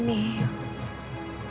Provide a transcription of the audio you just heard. penasaran siapa ya